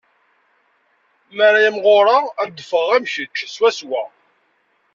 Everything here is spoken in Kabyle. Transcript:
Mi ara imɣureɣ, ad d-ffɣeɣ am kečč swaswa.